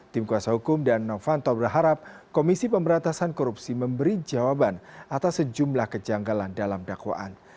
tim kuasa hukum dan novanto berharap komisi pemberantasan korupsi memberi jawaban atas sejumlah kejanggalan dalam dakwaan